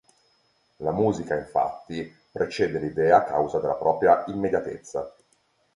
La musica, infatti, precede l'idea a causa della propria "immediatezza".